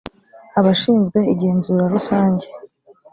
abashinzwe igenzura rusange